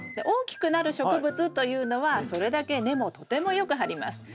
大きくなる植物というのはそれだけ根もとてもよく張ります。